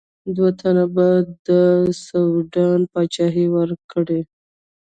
ده ته به د سوډان پاچهي ورکړي.